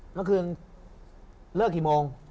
เมื่อคืนเลิกกี่โมง